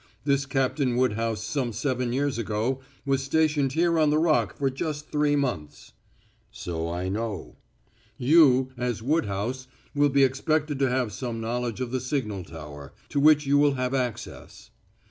This Captain Woodhouse some seven years ago was stationed here on the Rock for just three months." "So I know." "You, as Woodhouse, will be expected to have some knowledge of the signal tower, to which you will have access."